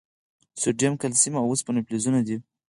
سوډیم، کلسیم، او اوسپنه فلزونه دي.